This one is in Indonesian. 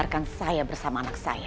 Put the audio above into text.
dengarkan saya bersama anak saya